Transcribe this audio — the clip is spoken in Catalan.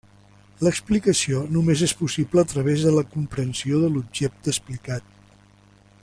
L'explicació només és possible a través de la comprensió de l'objecte explicat.